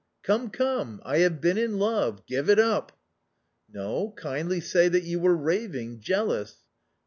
" Come, come, I have been in love ; give it up." " No, kindly say that you were raving, jealous